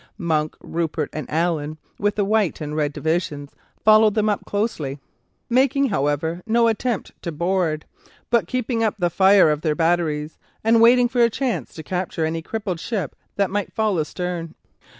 Monk, Rupert, and Allen, with the White and Red Divisions, followed them up closely, making, however, no attempt to board, but keeping up the fire of their batteries, and waiting for a chance to capture any crippled ship that might fall astern.